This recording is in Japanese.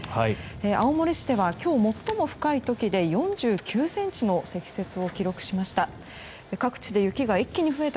青森市では、今日最も深い時で４９ｃｍの積雪を記録しました。